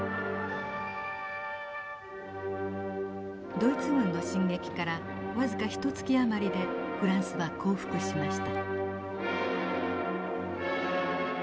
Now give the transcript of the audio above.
ドイツ軍の進撃から僅かひとつき余りでフランスは降伏しました。